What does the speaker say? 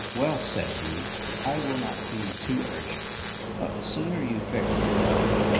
Well, said he, I will not be too urgent; but the sooner you fix, the better.